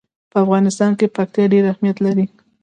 په افغانستان کې پکتیا ډېر اهمیت لري.